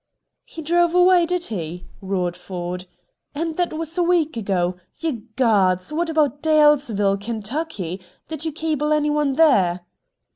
"He drove away, did he?"' roared Ford. "And that was a week ago! Ye gods! What about Dalesville, Kentucky? Did you cable any one there?"